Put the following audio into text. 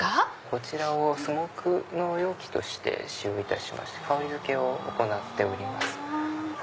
こちらをスモークの容器として使用して香りづけを行っております。